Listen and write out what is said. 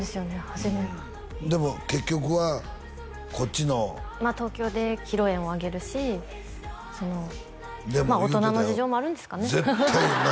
始めでも結局はこっちの東京で披露宴を挙げるしそのまあ大人の事情もあるんですかね